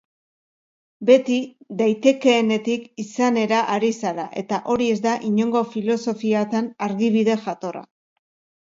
Beti "daitekeenetik izanera" ari zara, eta hori ez da inongo filosofiatan argibide jatorra.